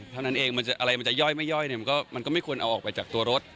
เท่านั้นเองอะไรมันจะย่อยไม่ย่อยมันก็ไม่ควรเอาออกไปจากตัวรถ